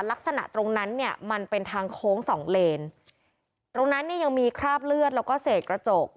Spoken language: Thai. ลักษณะตรงนั้นเนี่ยมันเป็นทางโค้งสองเลนตรงนั้นเนี่ยยังมีคราบเลือดแล้วก็เศษกระจก